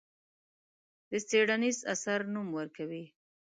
د څېړنیز اثر نوم ورکوي.